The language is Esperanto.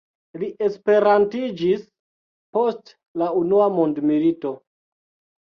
Li esperantistiĝis post la unua mondmilito.